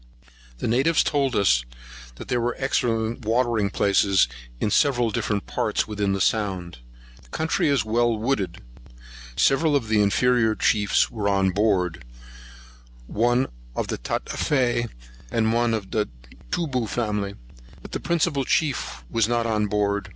The natives told us there were excellent watering places in several different parts within the sound. The country is well wooded. Several of the inferior chiefs were on board, one of the Tatafee, and one of the Toobou family; but the principal chief was not on board.